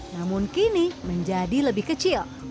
namun kini menjadi lebih kecil